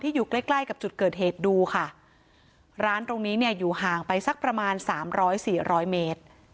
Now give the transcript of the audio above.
ที่อยู่ใกล้กับจุดเกิดเหตุดูค่ะร้านตรงนี้เนี่ยอยู่ห่างไปสักประมาณ๓๐๐๔๐๐เมตร